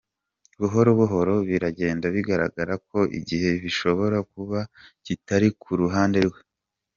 Buhoro buhoro biragenda bigaragara ko igihe gishobora kuba kitari ku ruhande rwe.